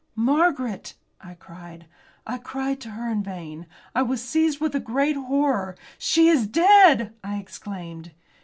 "Margaret!" I cried. I cried to her in vain. I was seized with a great horror. "She is dead!" I exclaimed.